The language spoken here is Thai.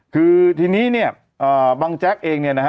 คือทีนี้เนี่ยบังแจ๊กเองเนี่ยนะฮะ